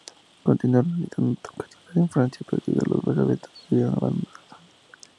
Continuaron realizando tocatas en Francia, pero debido a las bajas ventas debieron abandonar Sony.